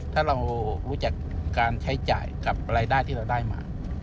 ถ้าเรารู้จักการใช้จ่ายกับรายได้ที่เราได้มา